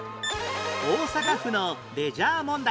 大阪府のレジャー問題